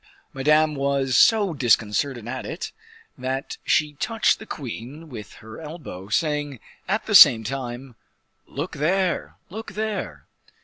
Madame was so disconcerted at it, that she touched the queen with her elbow, saying at the same time, "Look there, look there."